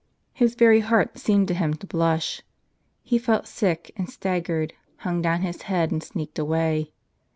His very heart seemed to him to blush. He felt sick, and staggered, hung down his head, and sneaked away.